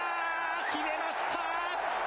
決めました。